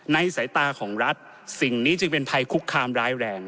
สายตาของรัฐสิ่งนี้จึงเป็นภัยคุกคามร้ายแรง